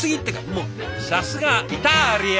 もうさすがイタリア！